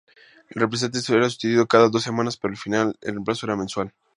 El representante era sustituido cada dos semanas, pero al final el reemplazo era mensual.